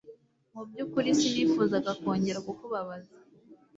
Mu byukuri sinifuzaga kongera kukubabaza